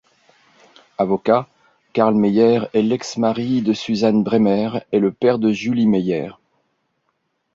Avocat, Karl Mayer est l'ex-mari de Susan Bremmer et le père de Julie Mayer.